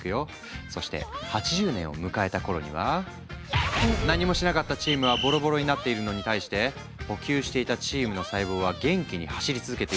そして８０年を迎えた頃には何もしなかったチームはボロボロになっているのに対して補給していたチームの細胞は元気に走り続けているし